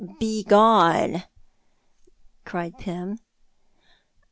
"Begone!" cried Pym.